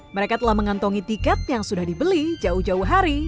mereka telah mengantongi tiket yang sudah dibeli jauh jauh hari